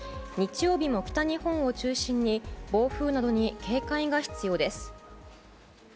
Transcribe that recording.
日曜日も北日本を中心に暴風などに警戒が必要です。